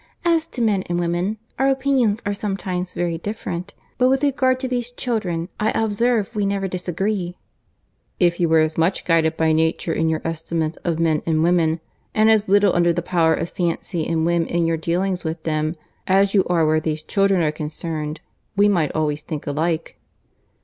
As to men and women, our opinions are sometimes very different; but with regard to these children, I observe we never disagree." "If you were as much guided by nature in your estimate of men and women, and as little under the power of fancy and whim in your dealings with them, as you are where these children are concerned, we might always think alike."